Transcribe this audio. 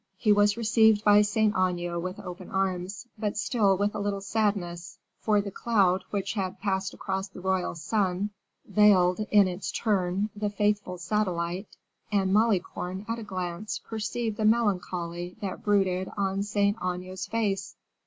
He was received by Saint Aignan with open arms, but still with a little sadness, for the cloud which had passed across the royal sun, veiled, in its turn, the faithful satellite, and Malicorne at a glance perceived the melancholy that brooded on Saint Aignan's face.